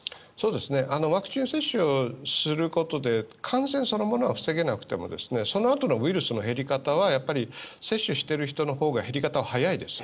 ワクチン接種することで感染そのものは防げなくてもそのあとのウイルスの減り方は接種している人のほうが減り方は速いです。